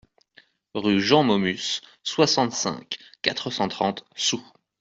Rue Jean Maumus, soixante-cinq, quatre cent trente Soues